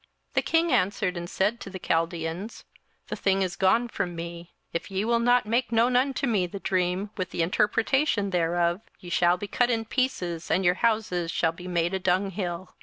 27:002:005 The king answered and said to the Chaldeans, The thing is gone from me: if ye will not make known unto me the dream, with the interpretation thereof, ye shall be cut in pieces, and your houses shall be made a dunghill.